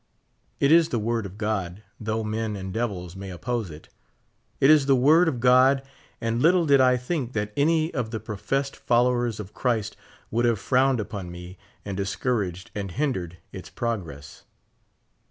It is the word of God, thousdi men and devils may oppose it. It is the word of Goclf and little did I think that an\' of the professed followers of Christ would have frowned upon me and discouraged and hin dered its progress.